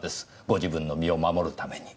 ご自分の身を守るために。